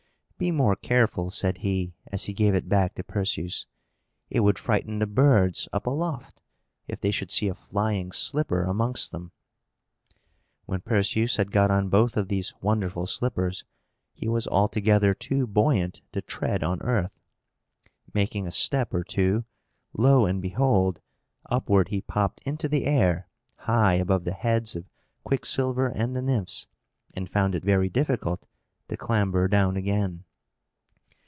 "Be more careful," said he, as he gave it back to Perseus. "It would frighten the birds, up aloft, if they should see a flying slipper amongst them." When Perseus had got on both of these wonderful slippers, he was altogether too buoyant to tread on earth. Making a step or two, lo and behold! upward he popped into the air, high above the heads of Quicksilver and the Nymphs, and found it very difficult to clamber down again.